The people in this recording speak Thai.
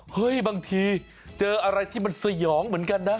บางทีเจออะไรที่มันสยองเหมือนกันนะ